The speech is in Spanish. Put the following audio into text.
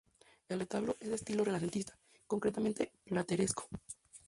El retablo es de estilo renacentista, concretamente plateresco.